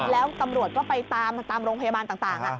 แล้วตำรวจก็ไปตามโรงพยาบาลต่าง